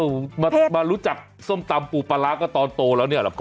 มารู้จักส้มตำปูปลาร้าก็ตอนโตแล้วเนี่ย